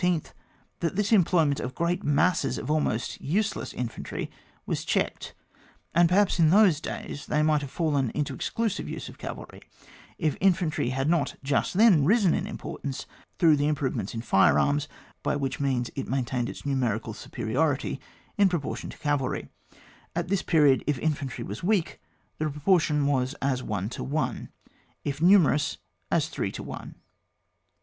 — that this employment of great masses of almost useless infantry was checked, and perhaps in those days they might have fallen into the exclusive use of cavalry, if infantry had not just then risen in^importance through the im provements in fire arms, by which means it maintained its numerical superiority in proportion to cavalry ; at this period, if infantry was weak, the proportion was as one to one, if numerous as three to one.